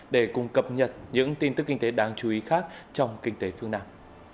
để cùng cập nhật những tin tức kinh tế đáng chú ý khác trong kinh tế phương nam